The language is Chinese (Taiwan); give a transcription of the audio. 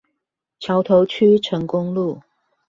橋頭區成功路